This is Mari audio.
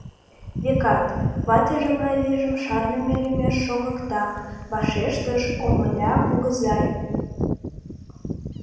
Векат, ватыже марийжым шарныме лӱмеш шогыкта, — вашештыш Омыля кугызай.